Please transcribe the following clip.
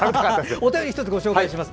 お便り１つご紹介します。